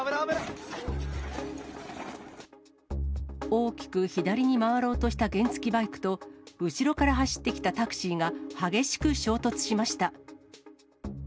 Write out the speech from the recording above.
大きく左に回ろうとした原付きバイクと、後ろから走ってきたタクシーが激しく衝突しました。